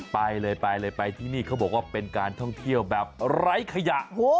ไปเลยไปเลยไปที่นี่เขาบอกว่าเป็นการท่องเที่ยวแบบไร้ขยะ